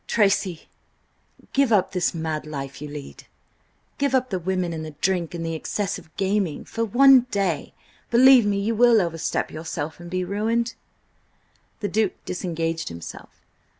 "Tracy, give up this mad life you lead! Give up the women and the drink, and the excessive gaming; for one day, believe me, you will overstep yourself and be ruined!" The Duke disengaged himself.